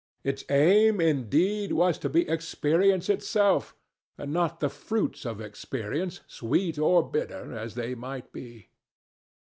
Its aim, indeed, was to be experience itself, and not the fruits of experience, sweet or bitter as they might be.